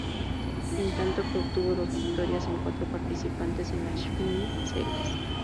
En tanto que obtuvo dos victorias en cuatro participaciones en la Xfinity Series.